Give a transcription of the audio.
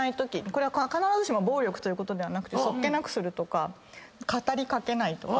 これは暴力ということではなくて素っ気なくするとか語り掛けないとか。